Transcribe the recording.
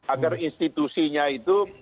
agar institusinya itu